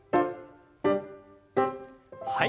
はい。